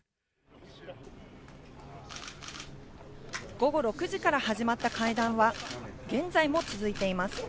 午後６時から始まった会談は、現在も続いています。